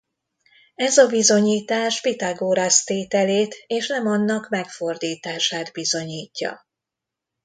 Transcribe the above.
Ez a bizonyítás Pitagorasz tételét és nem annak megfordítását bizonyítja.